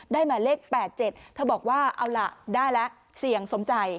หมายเลข๘๗เธอบอกว่าเอาล่ะได้แล้วเสี่ยงสมใจ